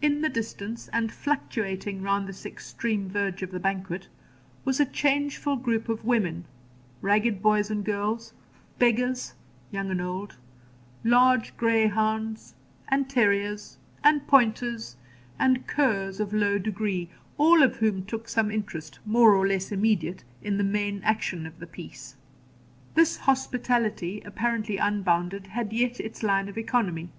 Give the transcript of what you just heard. In the distance, and fluctuating round this extreme verge of the banquet, was a changeful group of women, ragged boys and girls, beggars, young and old, large greyhounds, and terriers, and pointers, and curs of low degree; all of whom took some interest, more or less immediate, in the main action of the piece. This hospitality, apparently unbounded, had yet its line of economy.